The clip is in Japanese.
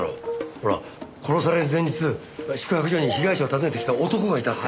ほら殺される前日宿泊所に被害者を訪ねてきた男がいたって。